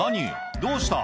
どうした？」